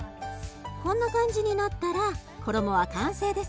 こんな感じになったら衣は完成です。